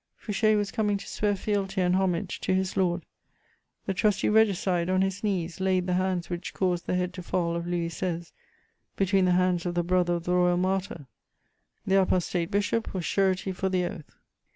Fouché was coming to swear fealty and homage to his lord; the trusty regicide on his knees laid the hands which caused the head to fall of Louis XVI. between the hands of the brother of the Royal Martyr; the apostate bishop was surety for the oath.